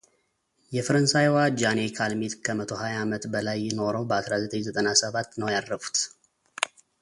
የፈረንሳዩዋ ጃኔ ካልሜት ከመቶ ሀያ ዓመት በላይ ኖረው በአስራ ዘጠኝ ዘጠና ሰባት ነው ያረፉት።